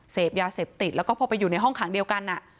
เสพยาเสพติดแล้วก็พอไปอยู่ในห้องขังเดียวกัน